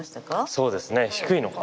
そうですね低いのか。